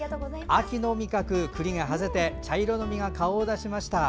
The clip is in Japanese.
秋の味覚くりがはぜて茶色の実が顔を出しました。